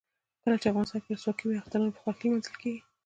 کله چې افغانستان کې ولسواکي وي اخترونه په خوښۍ لمانځل کیږي.